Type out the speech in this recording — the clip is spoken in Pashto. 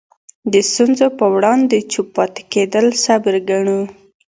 د ستونزو په وړاندې چوپ پاتې کېدل صبر ګڼو.